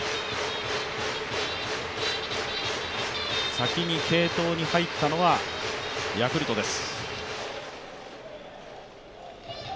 先に継投に入ったのはヤクルトです。